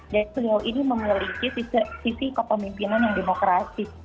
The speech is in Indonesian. jadi seluruh ini memiliki sisi kepemimpinan yang demokrasi